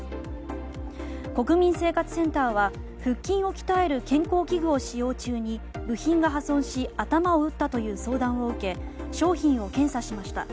国民生活センターは腹筋を鍛える健康器具を使用中に部品が破損し頭を打ったという相談を受け商品を検査しました。